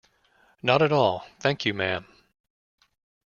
Not at all, thank you, ma'am.